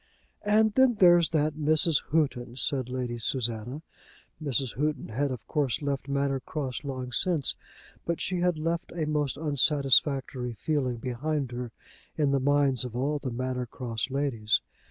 "And then there's that Mrs. Houghton!" said Lady Susanna. Mrs. Houghton had of course left Manor Cross long since; but she had left a most unsatisfactory feeling behind her in the minds of all the Manor Cross ladies.